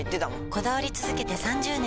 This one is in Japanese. こだわり続けて３０年！